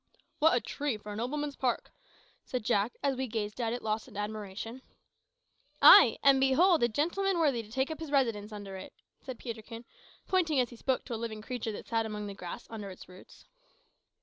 "What a tree for a nobleman's park!" said Jack, as we gazed at it, lost in admiration. "Ay; and behold a gentleman worthy to take up his residence under it," said Peterkin, pointing as he spoke to a living creature that sat among the grass near its roots.